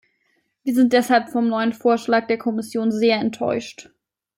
Wir sind deshalb vom neuen Vorschlag der Kommission sehr enttäuscht.